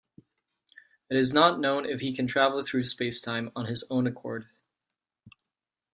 It is not known if he can travel through space-time on his own accord.